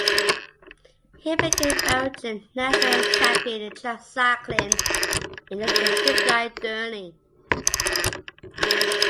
He became Belgian national champion in track cycling in the discipline derny.